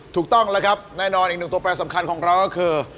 ถูกต้องแล้วครับแน่นอนอีกหนึ่งตัวแปรสำคัญของเราก็คือ